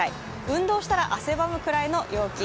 運動したら汗ばむくらいの陽気